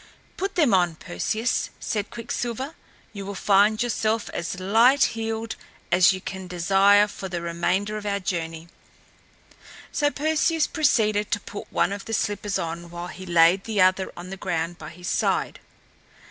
"Put them on, Perseus," said Quicksilver. "You will find yourself as light heeled as you can desire for the remainder of our journey." So Perseus proceeded to put one of the slippers on, while he laid the other on the ground by his side.